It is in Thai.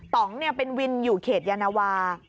ต้องเป็นวินอยู่เขตยานวา